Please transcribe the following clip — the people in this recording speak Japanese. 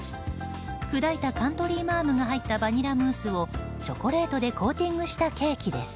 砕いたカントリーマアムが入ったバニラムースをチョコレートでコーティングしたケーキです。